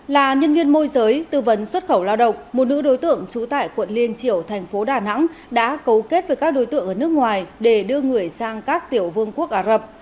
là nhân viên môi giới tư vấn xuất khẩu lao động một nữ đối tượng trú tại quận liên triều thành phố đà nẵng đã cấu kết với các đối tượng ở nước ngoài để đưa người sang các tiểu vương quốc ả rập